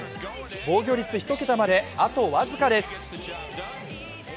防御率１桁まであと僅かです。